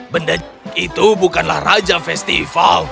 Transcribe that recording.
benda itu bukanlah raja festival